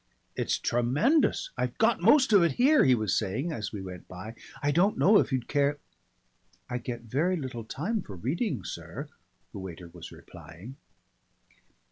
"It's tremendous. I've got most of it here," he was saying as we went by. "I don't know if you'd care " "I get very little time for reading, sir," the waiter was replying.